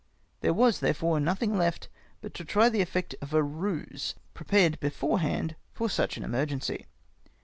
There was, therefore, nothing left, but to try the effect of a ruse, prepared beforehand for such an emergency.